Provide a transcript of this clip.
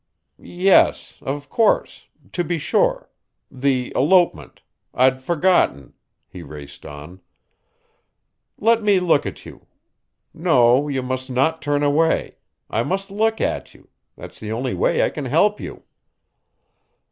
"Yes, of course to be sure the elopement I'd forgotten," he raced on. "Let me look at you. No, you must not turn away. I must look at you that's the only way I can help you."